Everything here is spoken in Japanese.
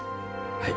はい。